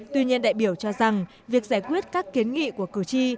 tuy nhiên đại biểu cho rằng việc giải quyết các kiến nghị của cử tri